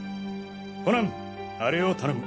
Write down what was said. コナンあれを頼む。